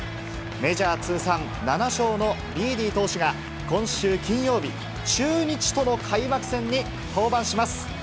メジャー通算７勝のビーディ投手が、今週金曜日、中日との開幕戦に登板します。